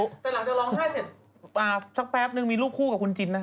แต่หลังจากร้องไห้เสร็จสักแป๊บนึงมีลูกคู่กับคุณจินนะ